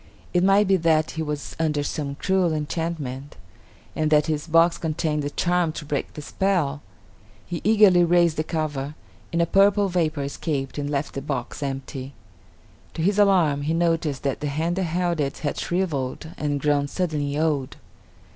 It might be that he was under some cruel enchantment, and that this box contained the charm to break the spell. He eagerly raised the cover, and a purple vapor escaped and left the box empty. To his alarm, he noticed that the hand that held it had shriveled and grown suddenly old.